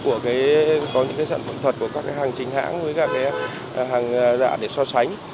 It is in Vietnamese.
có những sản phẩm thật của các hàng chính hãng với các hàng giả để so sánh